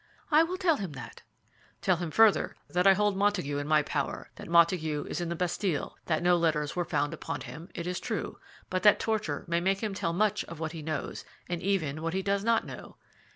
"I will tell him that." "Tell him further that I hold Montague in my power; that Montague is in the Bastille; that no letters were found upon him, it is true, but that torture may make him tell much of what he knows, and even what he does not know."